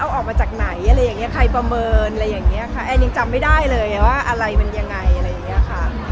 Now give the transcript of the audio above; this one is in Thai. เอาออกมาจากไหนอะไรอย่างเงี้ใครประเมินอะไรอย่างนี้ค่ะแอนยังจำไม่ได้เลยว่าอะไรมันยังไงอะไรอย่างเงี้ยค่ะ